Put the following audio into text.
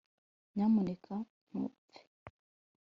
nyamuneka ntupfe